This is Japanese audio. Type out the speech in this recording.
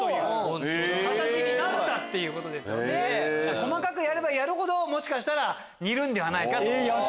細かくやればやるほどもしかしたら似るんではないか。